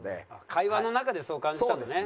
会話の中でそう感じたんだね。